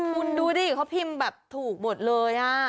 คุณดูดิเขาพิมพ์แบบถูกหมดเลย